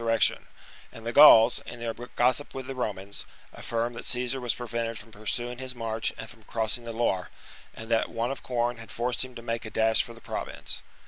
forced to rection ; and the Gauls, m their e^ossip with the contrive a Romans, affirmed that Caesar was prevented from retreat. pursuing his march and from crossing the Loire, and that want of corn had forced him to make a dash for the Province.